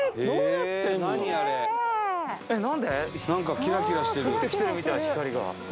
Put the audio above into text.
降ってきてるみたい光が。